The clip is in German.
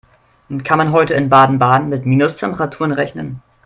Kann man heute in Baden-Baden mit Minustemperaturen rechnen?